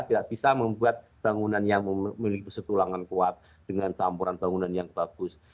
tidak bisa membuat bangunan yang memiliki besi tulangan kuat dengan campuran bangunan yang bagus